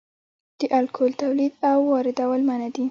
د الکول تولید او واردول منع دي